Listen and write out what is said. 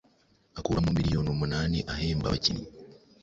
akuramo miliyoni umunani ahemba abakinnyi